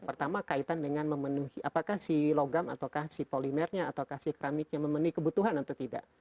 pertama kaitan dengan memenuhi apakah si logam ataukah si polimernya ataukah si keramiknya memenuhi kebutuhan atau tidak